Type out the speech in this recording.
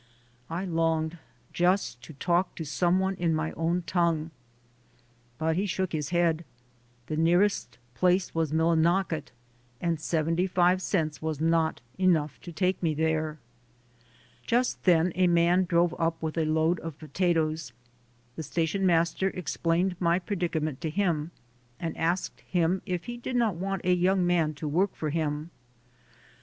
I longed just to talk to some one in my own tongue. But he shook his head; the nearest place was MiUinocket, and seventy five cents was not enough to take me there. Just then a man drove up with a load of potatoes. The station master explained my predicament to him and asked him if he did not want a young man to work for him.